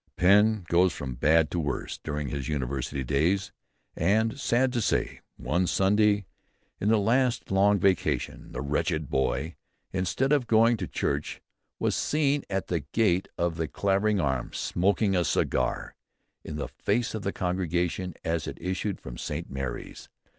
Pen goes from bad to worse during his University days, and, sad to say, one Sunday in the last long vacation, the "wretched boy," instead of going to church, "was seen at the gate of the Clavering Arms smoking a cigar, in the face of the congregation as it issued from St. Mary's.